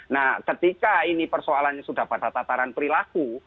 nah ketika ini persoalannya sudah pada tataran perilaku